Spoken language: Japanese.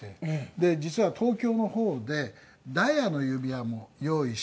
で実は東京の方でダイヤの指輪も用意しましてね。